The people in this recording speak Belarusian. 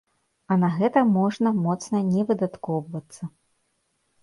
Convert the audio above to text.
А на гэта можна моцна не выдаткоўвацца.